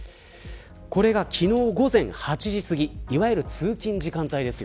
これが昨日、午前８時すぎいわゆる通勤の時間帯です。